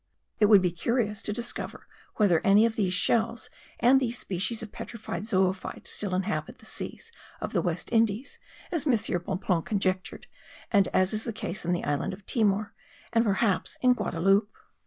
It would be curious to discover whether any of these shells and these species of petrified zoophytes still inhabit the seas of the West Indies, as M. Bonpland conjectured, and as is the case in the island of Timor and perhaps in Guadaloupe.